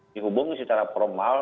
dihubung secara formal